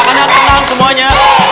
tenang tenang semuanya